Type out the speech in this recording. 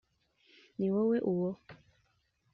ni wowe uwo